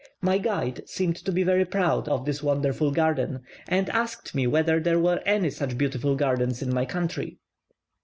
My guide seemed to be very proud of this wonderful garden, and asked me whether there were such beautiful gardens in my country!